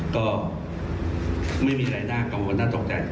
ก็ไม่มีอะไรหน้ากลางกระมวงหน้าตกใจ